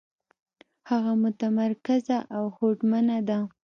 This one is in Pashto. هغه متمرکزه او هوډمنه ده.